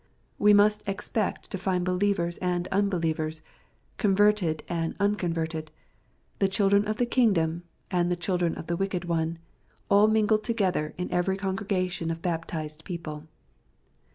We must expect to find believers and unbelievers, converted and unconverted, '^ the children of the king* dom, and the children of the wicked one/' all mingled together in every congregation of baptized people.